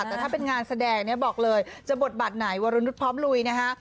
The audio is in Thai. แต่ถ้าเป็นงานแสดงเนี่ยบอกเลยจะบทบาทไหนวรนุษย์พร้อมลุยนะฮะ